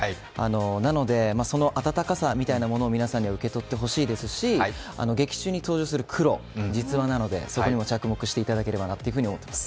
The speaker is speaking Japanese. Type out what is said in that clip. なのでその温かさみたいなものを皆さんに受け取ってほしいですし劇中に登場するクロ、実話なのでそこにも着目していただきたいなと思います。